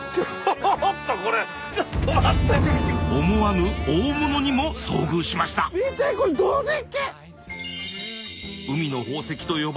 思わぬ大物にも遭遇しましたあ！